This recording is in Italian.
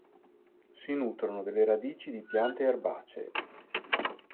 Si nutrono delle radici di piante erbacee.